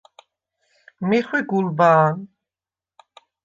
მი ხვი გულბა̄ნ.